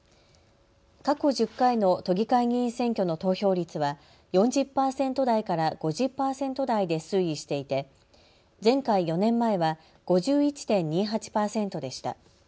過去１０回の都議会議員選挙の投票率は４０％台から５０％台で推移していて前回、４年前は５１．２８％でした。